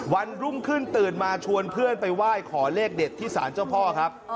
วันรุ่งขึ้นตื่นมาชวนเพื่อนไปไหว้ขอเลขเด็ดที่สารเจ้าพ่อครับ